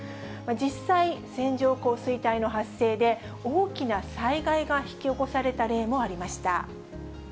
実際、線状降水帯の発生で、大きな災害が引き起こされた例もありました。